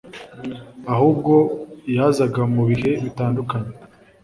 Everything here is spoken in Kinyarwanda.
ahubwo yazaga mu bihe bitandukanye